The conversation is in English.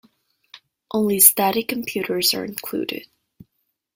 Only static computers are included.